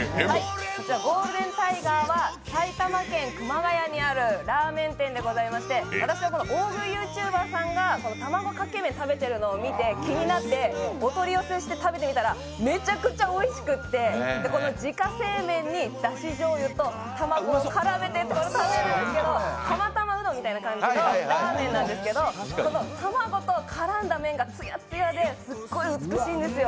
ゴールデンタイガーは埼玉県熊谷にあるラーメン店でして、私はこの大食いＹｏｕＴｕｂｅｒさんが卵かけ麺を食べているのを見て気になってお取り寄せして食べてみたらめちゃくちゃおいしくって自家製麺にだしじょうゆと卵を絡めて食べるんです、釜玉うどんみたいなラーメンなんですけど、卵と絡んだ麺がつやつやで、すっごい美しいんですよ。